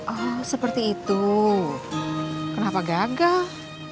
oh seperti itu kenapa gagah